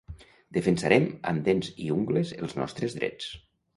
Defensarem amb dents i ungles els nostres drets.